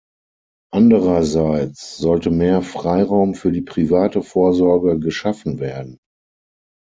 Andererseits sollte mehr Freiraum für die private Vorsorge geschaffen werden.